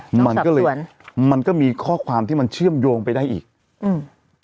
มันก็เลยเหมือนมันก็มีข้อความที่มันเชื่อมโยงไปได้อีกอืม